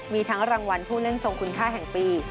มีทั้งรางวัลผู้เล่นทรงคุณค่าแห่งปี